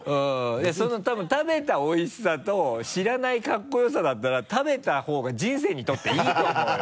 その多分食べたおいしさと知らないカッコ良さだったら食べた方が人生にとっていいと思うよ。